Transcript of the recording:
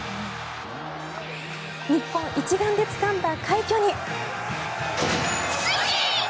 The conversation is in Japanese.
日本一丸でつかんだ快挙に。